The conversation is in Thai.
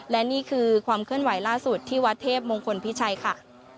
และนี่คือความเคลื่อนไหวล่าสุดที่วัดเทพมงคลพิชัยค่ะ